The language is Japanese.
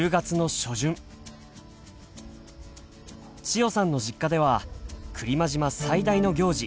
千代さんの実家では来間島最大の行事